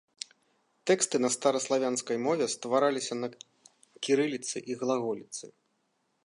Тэксты на стараславянскай мове ствараліся на кірыліцы і глаголіцы.